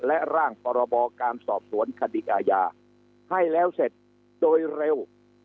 และร่างพรบการสอบสวนคดีอาญาให้แล้วเสร็จโดยเร็ว